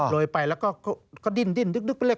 โรยไปแล้วก็ดิ้นดึกไปเลย